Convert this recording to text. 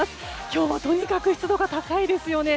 今日はとにかく湿度が高いですよね。